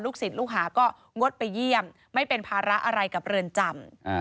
ศิษย์ลูกหาก็งดไปเยี่ยมไม่เป็นภาระอะไรกับเรือนจำ